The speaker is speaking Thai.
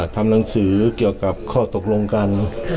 ทำหนังสือเกี่ยวกับของนักสมบัติแหละนะครับ